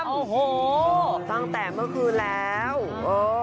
โอ้โหตั้งแต่เมื่อคืนแล้วเออ